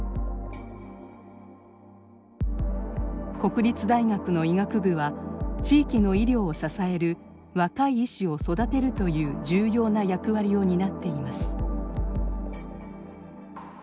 国立大学の医学部は地域の医療を支える若い医師を育てるという重要な役割を担っています。